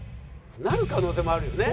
なる可能性もあるよね。